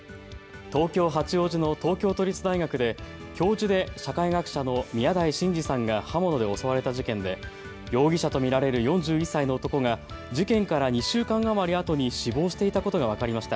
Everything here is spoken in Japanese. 東京八王子の東京都立大学で教授で社会学者の宮台真司さんが刃物で襲われた事件で容疑者と見られる４１歳の男が事件から２週間余りあとに死亡していたことが分かりました。